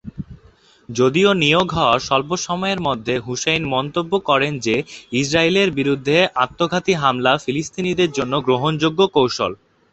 যদিও নিয়োগ হওয়ার স্বল্প সময়ের মধ্যে হুসেইন মন্তব্য করেন যে ইসরায়েলের বিরুদ্ধে আত্মঘাতী হামলা ফিলিস্তিনিদের জন্য গ্রহণযোগ্য কৌশল।